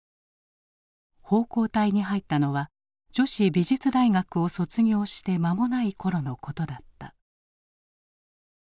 奉公隊に入ったのは女子美術大学を卒業して間もない頃のことだった。